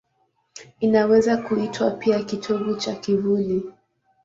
Inaweza kuitwa pia kitovu cha kivuli.